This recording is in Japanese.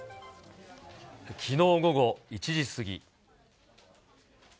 きのう午後１時過ぎ。